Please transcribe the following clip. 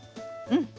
うん。